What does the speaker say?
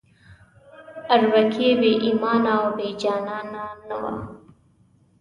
اربکی بې ایمانه او بې جانانه نه وو.